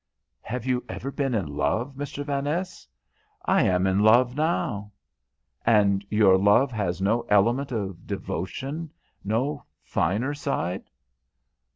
"Have you ever been in love, Mr. Vaness?" "I am in love now." "And your love has no element of devotion, no finer side?"